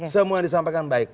semua disampaikan baik